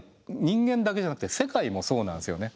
人間だけじゃなくて世界もそうなんですよね。